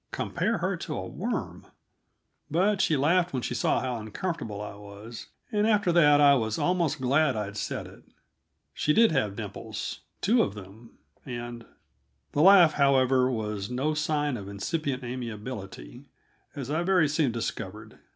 Compare her to a worm! But she laughed when she saw how uncomfortable I was, and after that I was almost glad I'd said it; she did have dimples two of them and The laugh, however, was no sign of incipient amiability, as I very soon discovered.